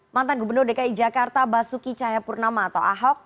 mantan gubernur dki jakarta basuki cahayapurnama atau ahok